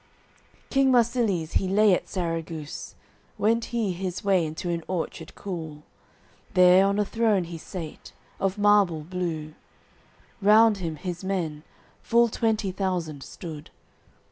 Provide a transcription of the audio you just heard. AOI. II King Marsilies he lay at Sarraguce, Went he his way into an orchard cool; There on a throne he sate, of marble blue, Round him his men, full twenty thousand, stood.